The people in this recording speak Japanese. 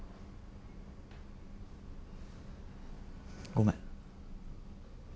ごめん。